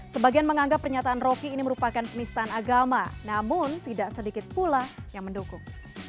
sebagian menganggap pernyataan roky ini merupakan penistaan agama namun tidak sedikit pula yang mendukung